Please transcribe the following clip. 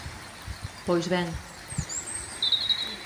Pois ben.